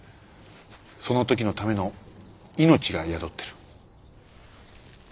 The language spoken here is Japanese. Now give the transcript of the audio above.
その時のための命が宿ってる。